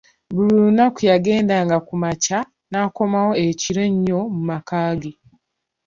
Buli lunaku yagenda nga kumakya nakomawo ekiro ennyo mu makagge.